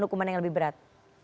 hukuman yang lebih berat